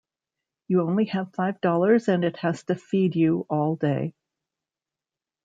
You only have five dollars and it has to feed you all day.